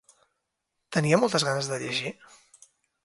Tenia moltes ganes de llegir?